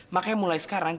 makanya mulai sekarang